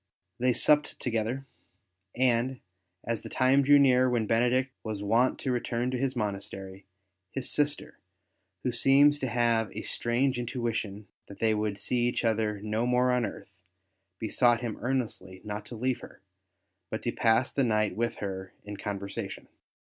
They supped together, and, as the time drew near when Benedict was wont to return to his monastery, his sister, who seems to have a strange intuition that they would see each other no more on earth, besought him earnestly not to leave her, but to pass the night with her in conversation.